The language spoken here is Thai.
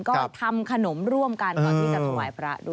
ก็ทำขนมร่วมกันก่อนที่จะถวายพระด้วย